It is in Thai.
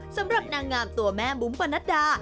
สำหรับนางงามตัวแม่บุ๋มปะนัดดา